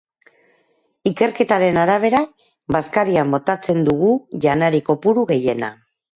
Ikerketaren arabera, bazkarian botatzen dugu janari kopuru gehiena.